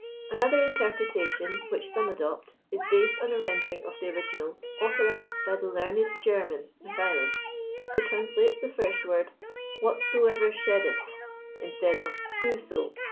Another interpretation, which some adopt, is based on a ren dering of the original authorised by the learned Grerman,"Mi chaelis, who translates the first word " whatsoever sheddeth," instead of " whoso."